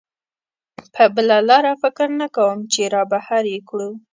په بله لاره فکر نه کوم چې را بهر یې کړو.